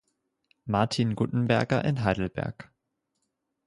Martin Guttenberger in Heidelberg.